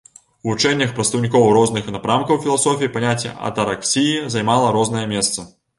У вучэннях прадстаўнікоў розных напрамкаў філасофіі паняцце атараксіі займала рознае месца.